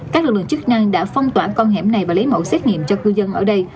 các lực lượng chức năng đã phong tỏa con hẻm này và lấy mẫu xét nghiệm cho cư dân ở đây